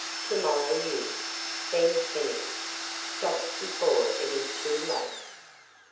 Tomorrow, you. Then Kennedy. Stop before it is too late."